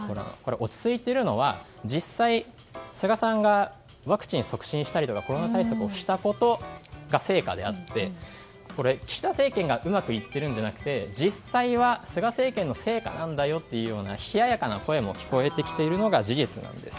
落ち着いているのは実際、菅さんがワクチンを促進したりとかコロナ対策をしたことの成果であって、岸田政権がうまくいっているじゃなくて実際は菅政権の成果だよという冷ややかな声も聞こえてきているのが事実なんです。